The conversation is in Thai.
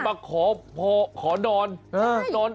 อยู่จะมาขอนอน